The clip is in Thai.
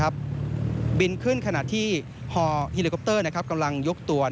บินขึ้นขณะที่ฮอเฮลิคอปเตอร์กำลังยกตัว